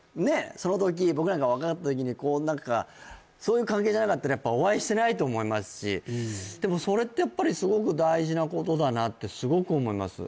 その時僕なんか若かった時にこう何かそういう関係じゃなかったらやっぱお会いしてないと思いますしでもそれってやっぱりすごく大事なことだなってすごく思います